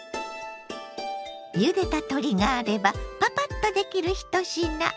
ゆでた鶏があればパパッとできる一品。